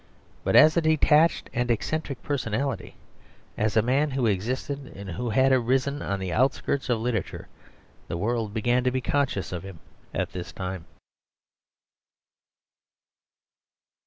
But as a detached and eccentric personality, as a man who existed and who had arisen on the outskirts of literature, the world began to be conscious of him at this time.